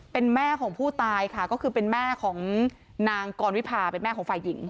เป็นแม่ของผู้ตายค่ะก็คือเป็นแม่ของนางกรวิพาเป็นแม่ของฝ่ายหญิง